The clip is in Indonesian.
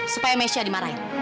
supaya mesya dimarahin